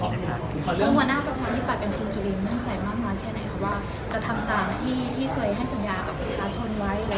ว่าจะทำตามที่ที่เคยให้สัญญากับประชาชนไว้